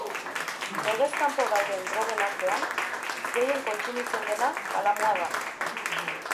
Legez kanpo dauden drogen artean, gehien kontsumitzen dena kalamua da.